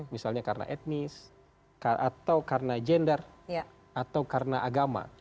misalnya karena etnis atau karena gender atau karena agama